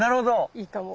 いいかも。